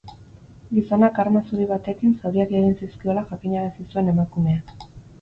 Gizonak arma zuri batekin zauriak egin zizkiola jakinarazi zuen emakumeak.